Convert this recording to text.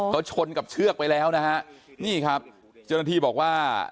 เขาชนกับเชือกไปแล้วนะฮะนี่ครับเจ้าหน้าที่บอกว่า